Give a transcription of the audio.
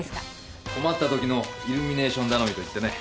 困った時のイルミネーション頼みと言ってね。